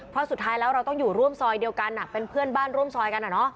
เพราะสุดท้ายแล้วเราต้องอยู่ร่วมซอยเดียวกันเป็นเพื่อนบ้านร่วมซอยกัน